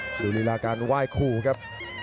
ดูฤลาการไหว้คู่ครับ